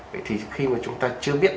vậy thì khi mà chúng ta chưa biết